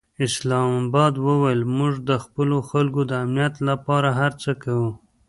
اسلام اباد وویل، موږ د خپلو خلکو د امنیت لپاره هر څه کوو.